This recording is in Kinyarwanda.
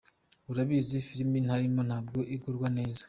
"Urabizi, filime ntarimo ntabwo igurwa cyane.